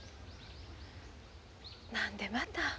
何でまた。